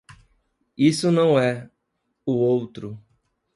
Isso não é - o outro.